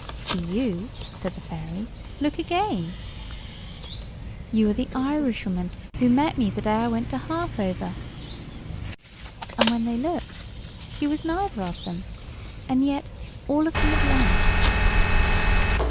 "To you," said the fairy. "Look again." "You are the Irishwoman who met me the day I went to Harthover!" And when they looked she was neither of them, and yet all of them at once.